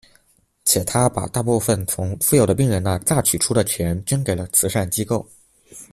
且他把大部分从富有的病人那榨取出的钱捐给了慈善机构。